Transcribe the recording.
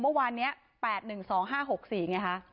เมื่อวานนี้๘๑๒๕๖๔ไงคะ